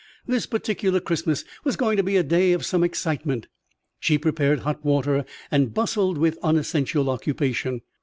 This particular Christmas was going to be a day of some excitement. She prepared hot water and bustled with unessential occupation.